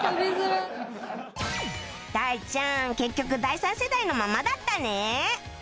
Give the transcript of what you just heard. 大ちゃん結局第３世代のままだったね